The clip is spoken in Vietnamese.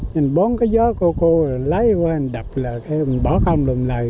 nên bốn cái gió cô cô lấy qua đập là bỏ không đồng lời